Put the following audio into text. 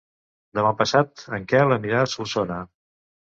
Demà passat en Quel anirà a Solsona.